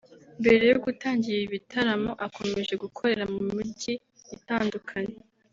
Mbere yo gutangira ibi bitaramo akomeje gukorera mu mijyi itandukanye